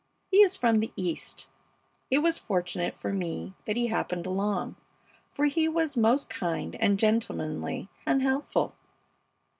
He is from the East. It was fortunate for me that he happened along, for he was most kind and gentlemanly and helpful.